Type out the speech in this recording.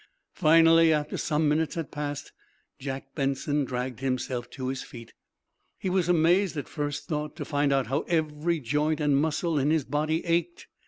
Finally, after some minutes had passed, Jack Benson dragged himself to his feet. He was amazed, at first thought, to find out how every joint and muscle in his body ached.